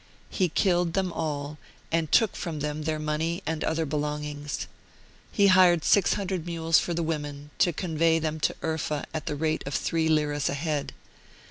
He killed them all and took from them their money and other belongings. He hired 600 mules for the women, to convey them to Urfa, at the rate of three liras a head.